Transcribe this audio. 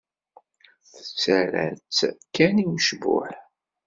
Tettarra-tt kan i ccbuḥ.